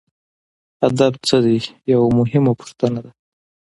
ادب څه دی یوه مهمه پوښتنه ده.